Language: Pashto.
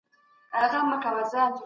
پروردګار به د قیامت په ورځ پوښتنه کوي.